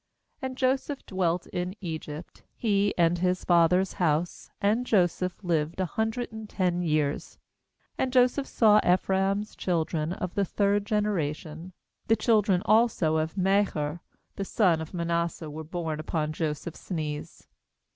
^And Joseph dwelt in Egypt, he, and his father's house; and Joseph lived a hundred and ten years. ^And Joseph saw Ephraim's children of the third generation; the children also of Machir the son of Manasseh were born upon Joseph's knees.